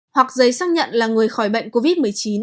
hoặc giấy xác nhận là người khỏi bệnh covid một mươi chín